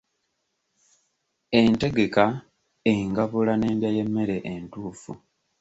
Entegeka, engabula n'endya y'emmere entuufu.